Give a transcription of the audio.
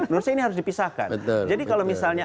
menurut saya ini harus dipisahkan jadi kalau misalnya